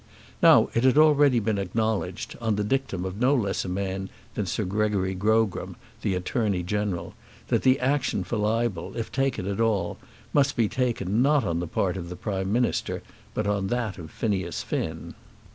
Now it had been already acknowledged, on the dictum of no less a man than Sir Gregory Grogram, the Attorney General, that the action for libel, if taken at all, must be taken, not on the part of the Prime Minister, but on that of Phineas Finn.